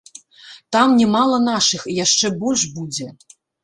Там не мала нашых і яшчэ больш будзе.